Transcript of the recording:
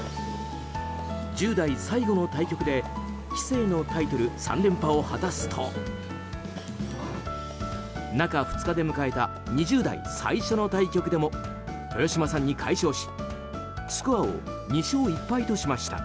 １０代最後の対局で棋聖のタイトル３連覇を果たすと中２日で迎えた２０代最初の対局でも豊島さんに快勝しスコアを２勝１敗としました。